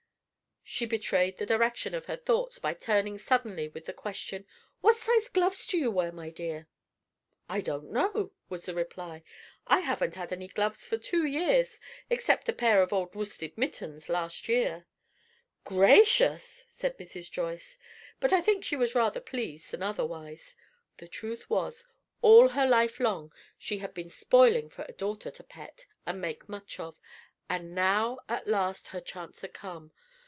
She betrayed the direction of her thoughts by turning suddenly with the question, "What sized gloves do you wear, my dear?" "I don't know," was the reply. "I haven't had any gloves for two years, except a pair of worsted mittens last winter." "Gracious!" said Mrs. Joyce, but I think she was rather pleased than otherwise. The truth was, all her life long she had been "spoiling" for a daughter to pet and make much of, and now, at last, her chance had come.